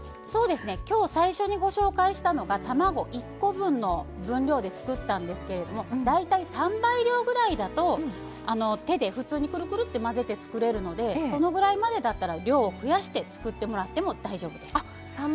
きょう最初にご紹介したのが卵１個分の分量で作ったんですけど大体３倍量ぐらいだと手で普通にくるくると混ぜて作れるのでそのぐらいまでだったら量を増やして作ってもらっても大丈夫です。